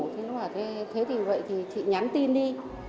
thế thì vậy thì chị nhắn tin đi